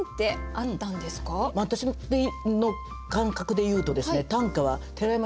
私の感覚で言うとですね